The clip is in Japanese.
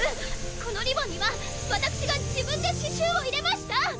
このリボンには私が自分で刺しゅうを入れました！